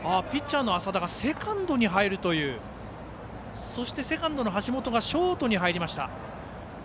ピッチャーの麻田がセカンドに入るというそして、セカンドの橋本がショートに入りました。